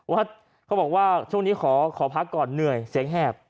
เขาบอกว่าช่วงนี้ขอพักก่อนเหนื่อยเสียงแหบ